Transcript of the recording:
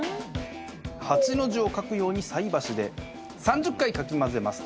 ８の字を書くように菜箸で３０回かき混ぜます。